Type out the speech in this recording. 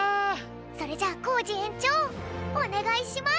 それじゃあコージえんちょうおねがいします。